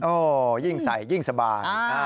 ยิ่งใส่ยิ่งสบาย